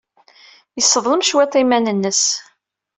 Yesseḍlem cwiṭ iman-nnes.